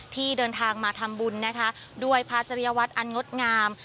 ที่เดินทางมาทำบุญนะคะด้วยพระจริยวัตรอันงดงาม